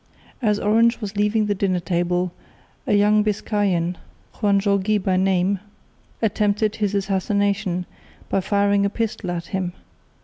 As Orange was leaving the dinner table, a young Biscayan, Juan Jaureguy by name, attempted his assassination, by firing a pistol at him.